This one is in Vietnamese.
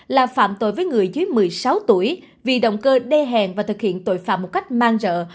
là phạm tội với người dưới một mươi sáu tuổi vì động cơ đê hẹn và thực hiện tội phạm một cách man rợ